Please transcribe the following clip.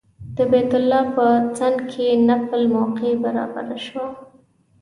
د بیت الله په څنګ کې نفل موقع برابره شوه.